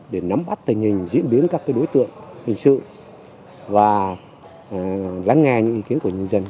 để nắm bắt tình hình diễn biến các đối tượng hình sự và lắng nghe những ý kiến của nhân dân